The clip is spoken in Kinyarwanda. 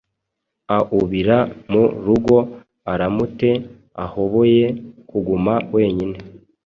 aubira mu rugo aramute ahoboye kuguma wenyine